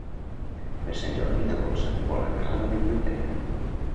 Per Sant Jordi na Dolça vol anar a la biblioteca.